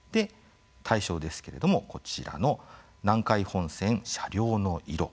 大賞ですけれどもこちらの「南海本線車両の色」。